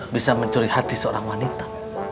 bisa mencuri hati seorang wanita